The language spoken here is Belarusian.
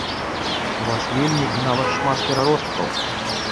У вас вельмі і нават шмат пераросткаў.